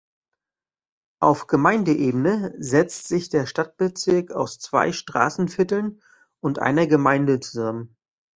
Auf Gemeindeebene setzt sich der Stadtbezirk aus zwei Straßenvierteln und einer Gemeinde zusammen.